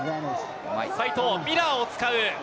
齋藤、ミラーを使う。